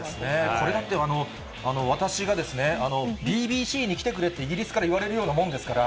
これだって、私がＢＢＣに来てくれって、イギリスから言われるようなもんですから。